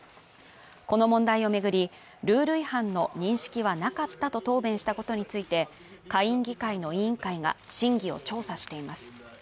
この問題を巡り、ルール違反の認識はなかったと答弁したことについて下院議会の委員会が真偽を調査しています。